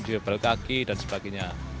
di fabel kaki dan sebagainya